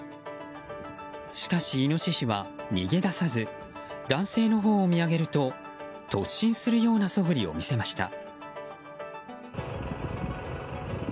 しかし、イノシシは逃げ出さず男性のほうを見上げると突進するようなそぶりを見せました。